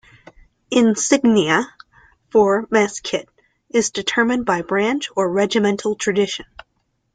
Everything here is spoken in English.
Insignia for mess kit is determined by branch or regimental tradition.